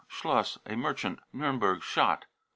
schloss, a merchant, Niirnberg, shot.